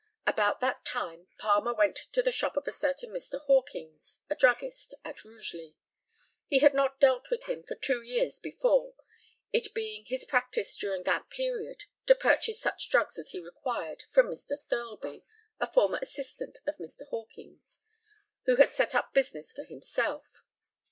About that time Palmer went to the shop of a certain Mr. Hawkings, a druggist, at Rugeley. He had not dealt with him for two years before, it being his practice during that period to purchase such drugs as he required from Mr. Thirlby, a former assistant of Mr. Hawkings, who had set up in business for himself.